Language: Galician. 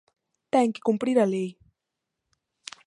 Ten que cumprir a lei!